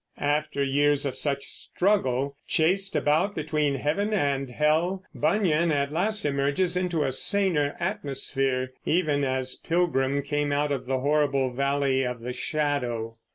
After years of such struggle, chased about between heaven and hell, Bunyan at last emerges into a saner atmosphere, even as Pilgrim came out of the horrible Valley of the Shadow.